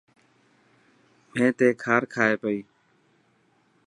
مين تي کار کائي پئي.